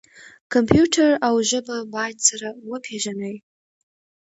کمپیوټر او ژبه باید سره وپیژني.